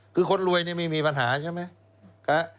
คือคนรวยนี่ไม่มีปัญหาใช่ไหม